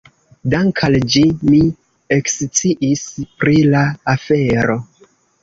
Dank' al ĝi mi eksciis pri la afero.